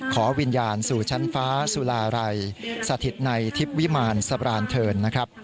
ขอวิญญาณสู่ชั้นฟ้าสุลาไรสถิตในทิพย์วิมารศัพรรณเธิน